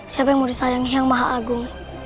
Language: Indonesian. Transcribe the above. siapa yang mau disayangi yang maha agung